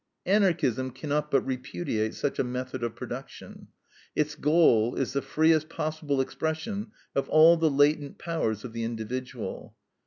Anarchism cannot but repudiate such a method of production: its goal is the freest possible expression of all the latent powers of the individual.